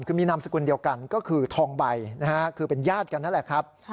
คือมีนามสกุลเดียวกันก็คือทองใบนะฮะคือเป็นญาติกันนั่นแหละครับ